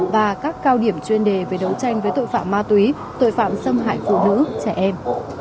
và các cao điểm chuyên đề về đấu tranh với tội phạm ma túy tội phạm xâm hại phụ nữ trẻ em